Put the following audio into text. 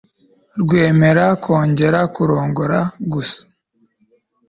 rwemerewe kongera kurongora gusa